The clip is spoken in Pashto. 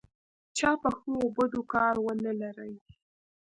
چا په ښو او بدو کار ونه لري.